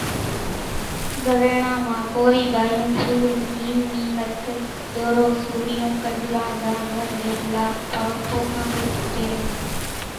ڳريڻان مان ڪورِي ٻايوُن ڦُول، هيم نِي نٿ، ۮورو، سوڙِيون، ڪڏلان، زانزر، ويڍلا، پوکانۮڙِيون پيريَ سي۔